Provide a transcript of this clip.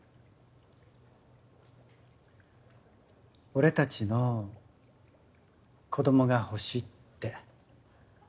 「俺たちの子供が欲しい」って。